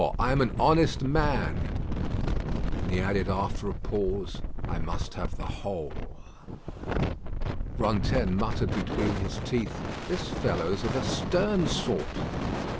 I am an honest man." And he added after a pause: "I must have the whole." Rantaine muttered between his teeth, "This fellow's of a stern sort."